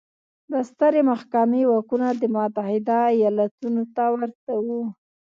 د سترې محکمې واکونه د متحده ایالتونو ته ورته وو.